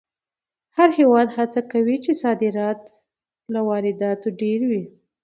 هر هېواد هڅه کوي چې صادرات یې له وارداتو ډېر وي.